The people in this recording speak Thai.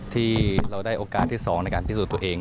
ที่เราได้โอกาสที่๒ในการพิสูจน์ตัวเอง